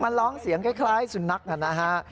มันร้องเสียงคล้ายสุนัขนะฮะ